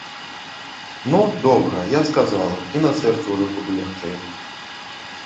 Ну, добра, я сказала, і на сэрцы ўжо куды лягчэй!